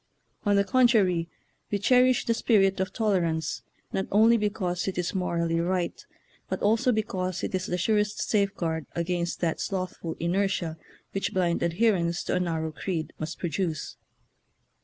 On the contrary, we cherish the spirit of tolerance not only because it is morally right, but also because it is the surest safeguard against that slothful inertia which blind adherence to a narrow creed must produce.